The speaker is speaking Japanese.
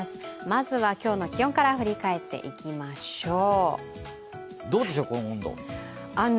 まずは今日の気温から振り返っていきましょう。